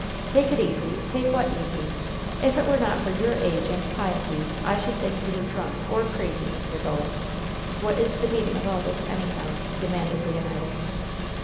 "'Take it easy!' Take what easy? If it were not for your age and piety, I should think you were drunk or crazy, Mr. Bowen! What is the meaning of all this, anyhow?" demanded Leonidas.